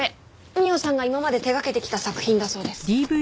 美緒さんが今まで手掛けてきた作品だそうです。